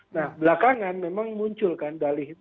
nah belakangan memang muncul kan dalih